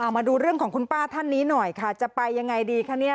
มาดูเรื่องของคุณป้าท่านนี้หน่อยค่ะจะไปยังไงดีคะเนี่ย